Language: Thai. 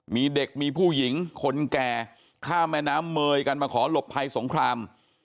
มีเด็กมีผู้หญิงคนแก่ข้ามแม่น้ำเมยกันมาขอหลบภัยสงคราม